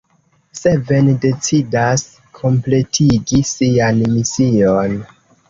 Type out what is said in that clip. Seven decidas kompletigi sian mision.